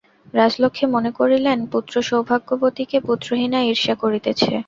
রাজলক্ষ্মী মনে করিলেন, পুত্রসৌভাগ্যবতীকে পুত্রহীনা ঈর্ষা করিতেছে।